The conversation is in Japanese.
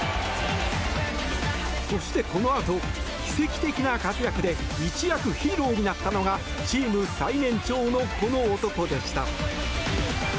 そして、このあと奇跡的な活躍で一躍ヒーローになったのがチーム最年長の、この男でした！